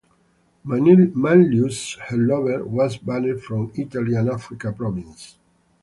Manlius, her lover, was banned from Italy and Africa Province.